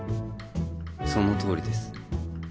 そのとおりです